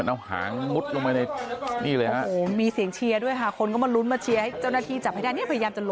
โอ้โหแล้วมันจะหนีนี่